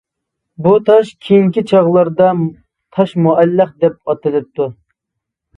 بۇ تاش كېيىنكى چاغلاردا «تاش مۇئەللەق» دەپ ئاتىلىپتۇ.